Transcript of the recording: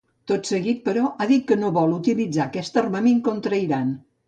Tot seguit, però, ha dit que no vol utilitzar aquest armament contra l’Iran.